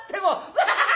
アハハハ！」。